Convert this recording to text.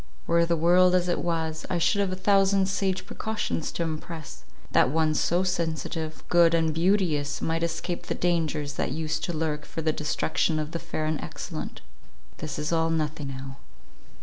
Were the world as it was, I should have a thousand sage precautions to impress, that one so sensitive, good, and beauteous, might escape the dangers that used to lurk for the destruction of the fair and excellent. This is all nothing now.